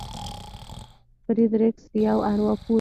فرېډ ريکسن يو ارواپوه دی.